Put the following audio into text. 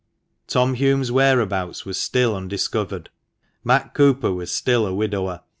Tom Hulme's whereabouts was still undiscovered. Matt Cooper was still a widower.